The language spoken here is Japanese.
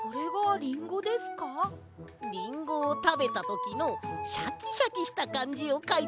リンゴをたべたときのシャキシャキしたかんじをかいたんだ！